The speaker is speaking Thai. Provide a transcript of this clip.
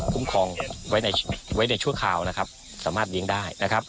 คุ้มครองไว้ในชั่วคราวสามารถเลี้ยงได้